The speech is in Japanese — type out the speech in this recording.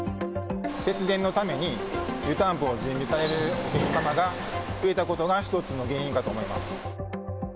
節電のために、湯たんぽを準備されるお客様が増えたことが一つの原因かと思います。